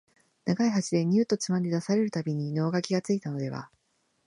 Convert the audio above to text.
長い箸でニューッとつまんで出される度に能書がついたのでは、